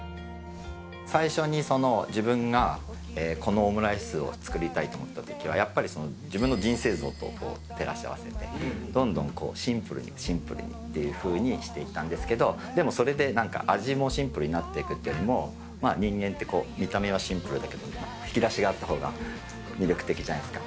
最初に、自分がこのオムライスを作りたいと思ったときは、やっぱり自分の人生像と照らし合わせて、どんどんこう、シンプルにシンプルにっていうふうにしていったんですけど、でも、それでなんか味もシンプルになっていくっていうよりも、人間って見た目はシンプルだけど、引き出しがあったほうが魅力的じゃないですか。